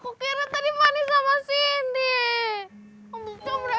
aku kira tadi manis sama cindy